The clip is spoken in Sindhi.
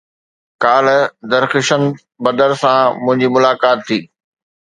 ڪالهه درخشند بدر سان منهنجي ملاقات ٿي